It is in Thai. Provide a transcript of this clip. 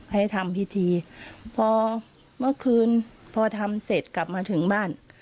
ให้ทำพิธีพอเมื่อคืนพอทำเสร็จกลับมาถึงบ้าน